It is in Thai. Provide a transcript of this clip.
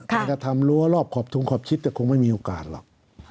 แต่ถ้าทำรั้วรอบขอบทุนขอบชิดจะคงไม่มีโอกาสหรอก